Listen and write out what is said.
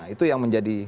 itu yang menjadi